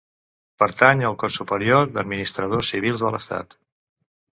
Pertany al Cos Superior d'Administradors Civils de l'Estat.